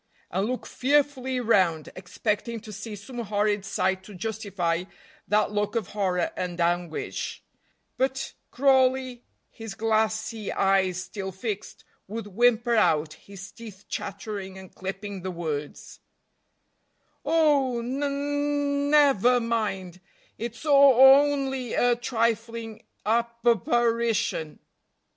and look fearfully round, expecting to see some horrid sight to justify that look of horror and anguish; but Crawley, his glassy eyes still fixed, would whimper out, his teeth chattering, and clipping the words: "Oh, ne ne never mind, it's o o only a trifling ap parition!"